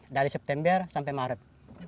dari september sampai maret